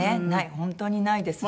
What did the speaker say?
本当にないですし。